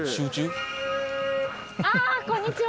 ああこんにちは！